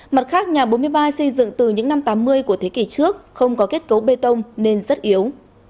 mặt khác nhà bốn mươi ba xây dựng từ những năm tám mươi của thế kỷ trước không có kết cấu bê tông nên rất yếu